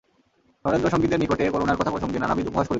নরেন্দ্র সঙ্গীদের নিকটে করুণার কথাপ্রসঙ্গে নানাবিধ উপহাস করিত।